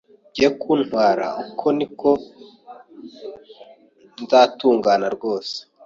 bye kuntwara uko ni ko nzatungana rwose,